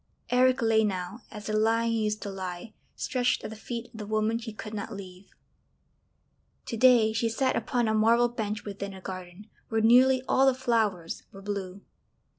Eric lay now, as the lion used to lie, stretched at the feet of the woman he could not leave. To day she sat upon a marble bench within a garden where nearly all the flowers were blue.